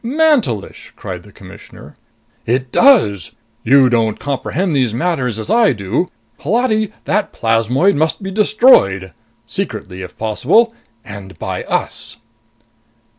"Mantelish!" cried the Commissioner. "It does. You don't comprehend these matters as I do. Holati, that plasmoid must be destroyed! Secretly, if possible. And by us!"